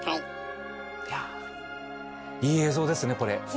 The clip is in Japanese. いい映像ですねこれ！